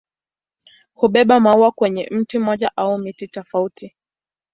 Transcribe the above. Hubeba maua kwenye mti mmoja au miti tofauti.